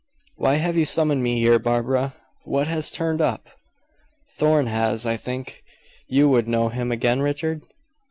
"Why have you summoned me here, Barbara? What has turned up?" "Thorn has I think. You would know him again Richard?"